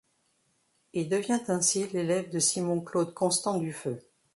Il devient ainsi l'élève de Simon-Claude Constant-Dufeux.